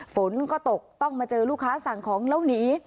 ฝนก็ตกต้องมาเจอลูกค้าสั่งของแล้วหนี